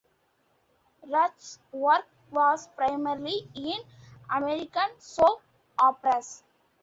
Rauch's work was primarily in American soap operas.